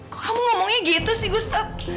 kok kamu ngomongnya gitu sih gustaf